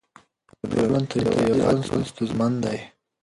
ټولنیز ژوند تر يوازي ژوند ستونزمن دی.